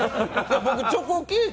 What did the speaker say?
僕、チョコケーキ